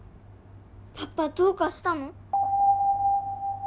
パパどうかしたの？